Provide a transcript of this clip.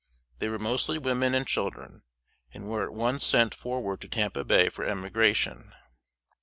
They were mostly women and children, and were at once sent forward to Tampa Bay for emigration.